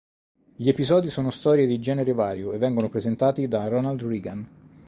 Gli episodi sono storie di genere vario e vengono presentati da Ronald Reagan.